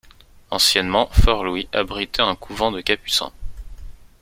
Anciennement, Fort-Louis abritait un couvent de capucins.